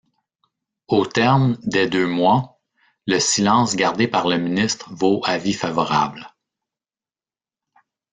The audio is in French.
Au terme des deux mois, le silence gardé par le ministre vaut avis favorable.